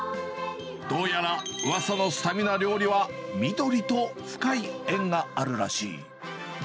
どうやら、うわさのスタミナ料理は緑と深い縁があるらしい。